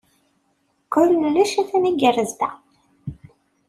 Kullec a-t-an igerrez da.